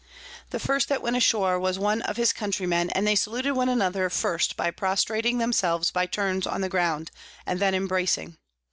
The first that went ashore was one of his Countrymen, and they saluted one another first by prostrating themselves by turns on the ground, and then embracing.